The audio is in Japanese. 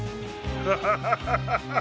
ハハハハハ。